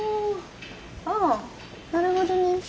ああなるほどね。